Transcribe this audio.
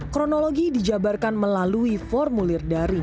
kronologi dijabarkan melalui formulir daring